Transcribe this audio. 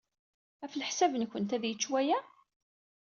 Ɣef leḥsab-nwent, ad yečč waya?